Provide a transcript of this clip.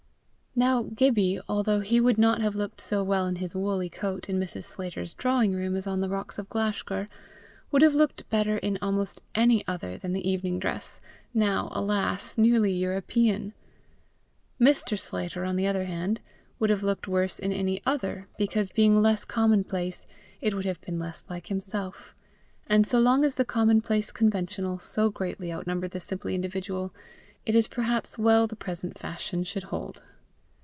Now Gibbie, although he would not have looked so well in his woolly coat in Mrs. Sclater's drawing room as on the rocks of Glashgar, would have looked better in almost any other than the evening dress, now, alas! nearly European. Mr. Sclater, on the other hand, would have looked worse in any other because being less commonplace, it would have been less like himself; and so long as the commonplace conventional so greatly outnumber the simply individual, it is perhaps well the present fashion should hold.